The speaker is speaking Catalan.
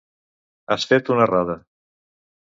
Has fet una errada.